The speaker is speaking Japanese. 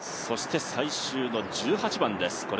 そして最終の１８番です